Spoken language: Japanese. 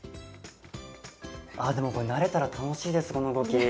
ああでもこれ慣れたら楽しいですこの動き。